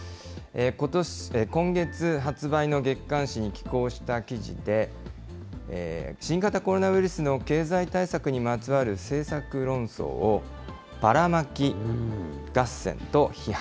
今月発売の月刊誌に寄稿した記事で、新型コロナウイルスの経済対策にまつわる政策論争を、バラマキ合戦と批判。